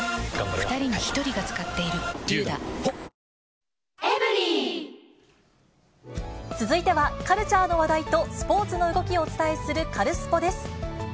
ニトリ続いてはカルチャーの話題とスポーツの動きをお伝えするカルスポっ！です。